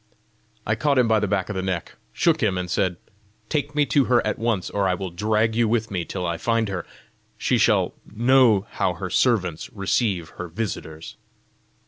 I caught him by the back of the neck, shook him, and said, "Take me to her at once, or I will drag you with me till I find her. She shall know how her servants receive her visitors."